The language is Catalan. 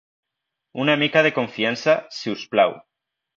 Una mica de confiança, si us plau.